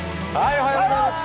おはようございます。